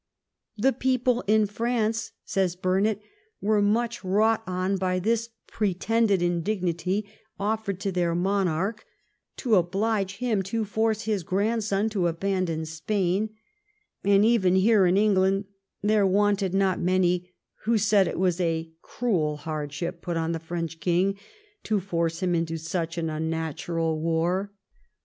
" The people in France," says Burnet, " were much wrought on by this pretended indignity offered to their monarch, to oblige him to force his grandson to aban don Spain; and even, here in England, there wanted not many, who said it was a cruel hardship put on the French king, to force him into such an unnatural war."